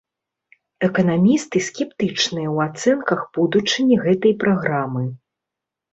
Эканамісты скептычныя ў ацэнках будучыні гэтай праграмы.